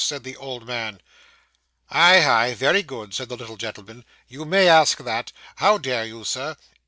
said the old man. Ay ay very good,' said the little gentleman, 'you may ask that. How dare you, sir?